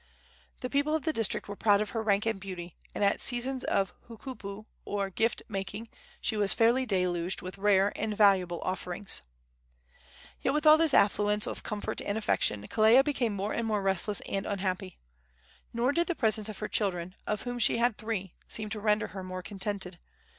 The people of the district were proud of her rank and beauty, and at seasons of hookupu, or gift making, she was fairly deluged with rare and valuable offerings. Yet, with all this affluence of comfort and affection, Kelea became more and more restless and unhappy. Nor did the presence of her children, of whom she had three, seem to render her more contented.